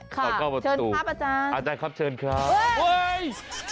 ขอเข้ามาตรูอาจารย์ครับเชิญครับอ้าวเฮ้ย